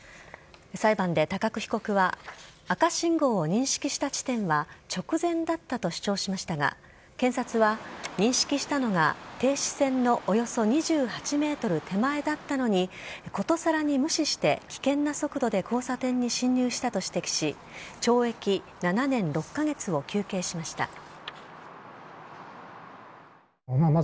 裁判で高久被告は、赤信号を認識した地点は、直前だったと主張しましたが、検察は、認識したのが停止線のおよそ２８メートル手前だったのに、ことさらに無視して危険な速度で交差点に進入したと指摘し、懲役７年６か月を求刑しました。